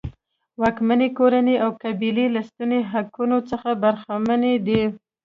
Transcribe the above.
واکمنې کورنۍ او قبیلې له سنتي حقونو څخه برخمنې دي.